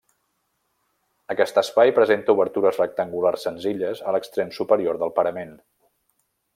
Aquest espai presenta obertures rectangulars senzilles a l'extrem superior del parament.